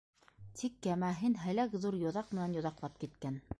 Тик кәмәһен һәләк ҙур йоҙаҡ менән йоҙаҡлап киткән.